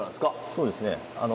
そうですね。